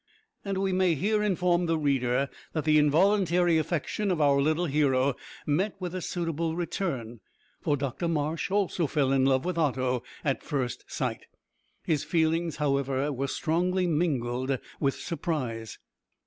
And we may here inform the reader that the involuntary affection of our little hero met with a suitable return, for Dr Marsh also fell in love with Otto at first sight. His feelings, however, were strongly mingled with surprise.